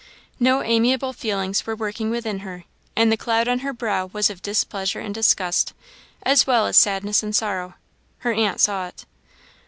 No amiable feelings were working within her; and the cloud on her brow was of displeasure and disgust, as well as sadness and sorrow. Her aunt saw it.